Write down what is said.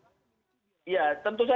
kalau saya secara pribadi ya